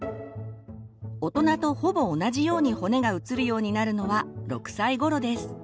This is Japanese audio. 大人とほぼ同じように骨が写るようになるのは６歳ごろです。